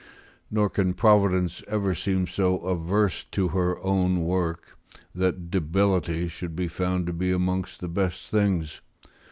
["Nor can Providence ever seem so averse to her own work, that debility should be found to be amongst the best things."